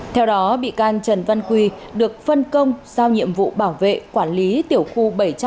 theo đó bị can trần văn quy được phân công sau nhiệm vụ bảo vệ quản lý tiểu khu bảy trăm ba mươi bốn